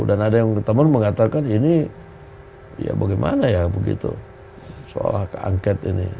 dan ada yang teman mengatakan ini ya bagaimana ya begitu soal hak angket ini